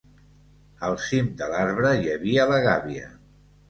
Al cim de l'arbre hi havia la gàbia.